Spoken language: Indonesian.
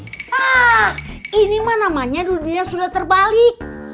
wah ini mah namanya dunia sudah terbalik